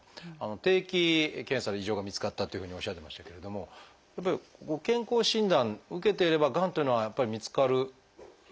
定期検査で異常が見つかったというふうにおっしゃってましたけれども健康診断受けてればがんっていうのは見つかるものですか？